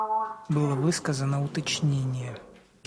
Было высказано уточнение.